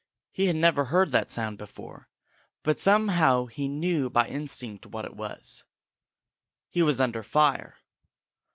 He had never heard that sound before, but somehow he knew by instinct what it was. He was under fire!